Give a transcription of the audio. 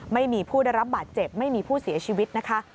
ไม่มีผู้ได้รับบาดเจ็บไม่มีผู้เสียชีวิตนะคะ